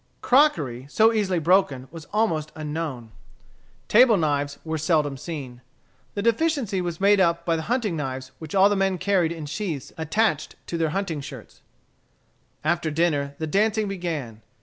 Crockery, so easily broken, was almost unknown. Table knives were seldom seen. The deficiency was made up by the hunting knives which all the men carried in sheaths attached to their hunting shirts. After dinner the dancing began.